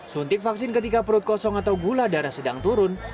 suntik vaksin ketika perut kosong atau gula darah sedang turun